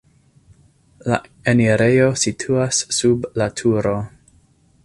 La enirejo situas sub la turo.